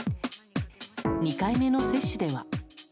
２回目の接種では。